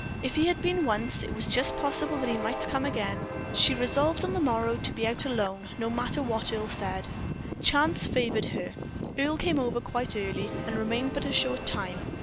If he had been once, it was just possible that he might come again. She resolved on the morrow to be out alone, no matter what Earle said. Chance favored her. Earle came over quite early, and remained but a short time.